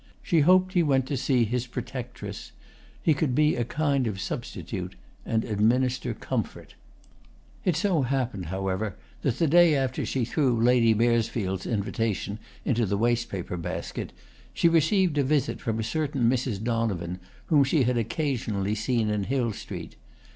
She hoped he went to see his protectress: he could be a kind of substitute and administer comfort. It so happened, however, that the day after she threw Lady Maresfield's invitation into the wastepaper basket she received a visit from a certain Mrs. Donovan, whom she had occasionally seen in Hill Street.